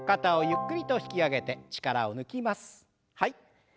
ゆっくりと引き上げて。